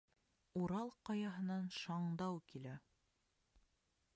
Урал ҡаяһынан шаңдау килә: